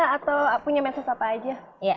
atau punya medsos apa aja